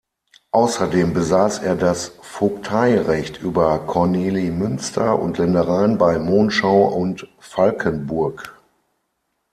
Außerdem besaß er das Vogteirecht über Kornelimünster und Ländereien bei Monschau und Valkenburg.